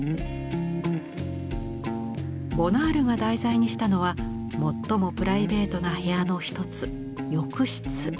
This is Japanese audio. ボナールが題材にしたのは最もプライベートな部屋の一つ浴室。